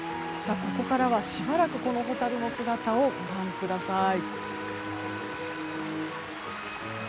ここからはしばらくこのホタルの姿をご覧ください。